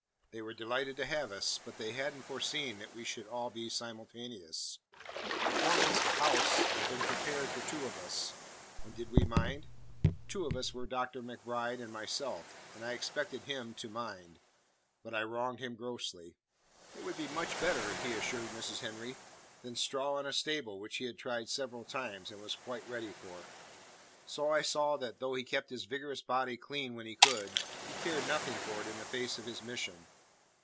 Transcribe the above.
They were delighted to have us, but they hadn't foreseen that we should all be simultaneous. The foreman's house had been prepared for two of us, and did we mind? The two of us were Dr. MacBride and myself; and I expected him to mind. But I wronged him grossly. It would be much better, he assured Mrs. Henry, than straw in a stable, which he had tried several times, and was quite ready for. So I saw that though he kept his vigorous body clean when he could, he cared nothing for it in the face of his mission.